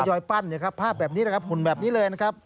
ท่ะยอยปั้นภาพแบบนี้หุ้นแบบนี้เลย